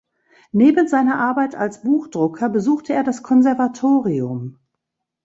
Neben seiner Arbeit als Buchdrucker besuchte er das Konservatorium.